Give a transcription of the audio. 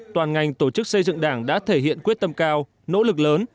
toàn ngành tổ chức xây dựng đảng đã thể hiện quyết tâm cao nỗ lực lớn